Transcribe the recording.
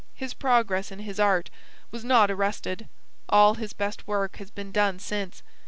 His progress in his art was not arrested. All his best work has been done since.